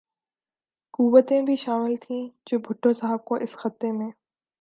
قوتیں بھی شامل تھیں جو بھٹو صاحب کو اس خطے میں